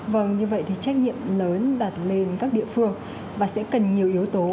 vâng như vậy thì trách nhiệm lớn đặt lên các địa phương và sẽ cần nhiều yếu tố